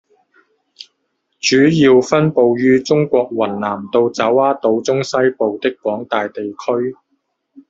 主要分布于中国云南到爪哇岛中西部的广大地区。